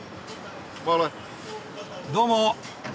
どうも。